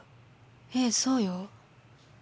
ええそうよ。